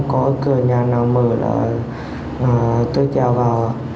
có cửa nhà nào mở là tôi chào vào